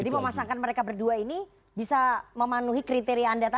jadi memasangkan mereka berdua ini bisa memanuhi kriteria anda tadi ya